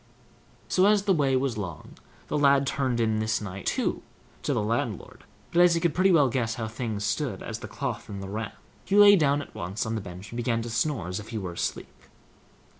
'" So, as the way was long, the lad turned in this night too to the landlord; but as he could pretty well guess how things stood as to the cloth and the ram, he lay down at once on the bench and began to snore, as if he were asleep.